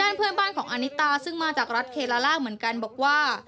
เพื่อนบ้านของอานิตาซึ่งมาจากรัฐเคลาล่าเหมือนกันบอกว่า